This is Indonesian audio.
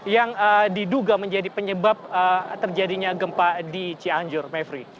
yang diduga menjadi penyebab terjadinya gempa di cianjur mevri